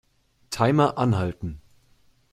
Timer anhalten.